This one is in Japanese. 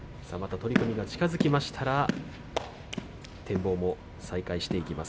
取組が近づきましたらばまた展望も再開していきます。